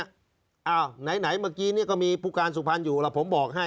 อ้าวไหนเมื่อกี้เนี่ยก็มีผู้การสุพรรณอยู่แล้วผมบอกให้